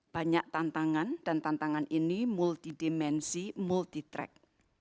banyak tantangan dan tantangan ini multi dimensi multitrack